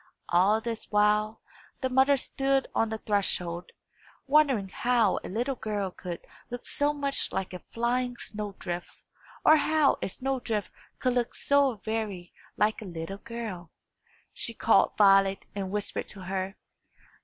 All this while, the mother stood on the threshold, wondering how a little girl could look so much like a flying snow drift, or how a snow drift could look so very like a little girl. She called Violet, and whispered to her.